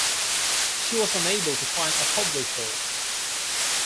She was unable to find a publisher.